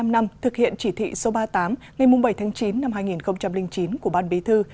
một mươi năm năm thực hiện chỉ thị số ba mươi tám ngày bảy tháng chín năm hai nghìn chín của ban bí thư